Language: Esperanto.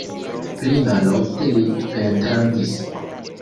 Pli malofte li pentradis.